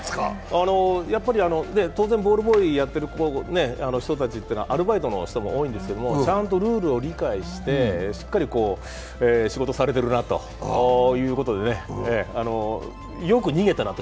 当然ボールボーイやっている人たちというのはアルバイトの人たちも多いんですけどちゃんとルールを理解して、しっかり仕事されてるなということでね、よく逃げたなと。